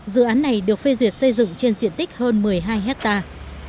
dự án này được phê duyệt xây dựng trên diện tích hơn một mươi hai hectare